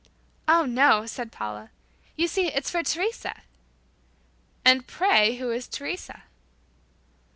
"Oh, no," said Paula. "You see, it's for Teresa." "And, pray, who is Teresa?"